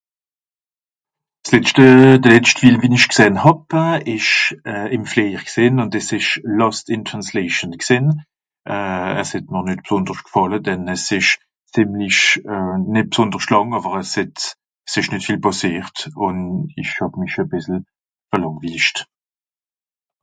s letschte, de letscht film wie-n-ich gsähn hàb euh ìsch euh ìm Fliehjer gsìn un ìsch dìss ìsch lost in translation gsìn euh es het mr nitt bsonderscht gfàlle denn es ìsch ziemlich euh nitt bsonderscht làng àwer es hett, s ìsch nìtt viel pàssiert un ich hàb mich e bissel velàngwiilischt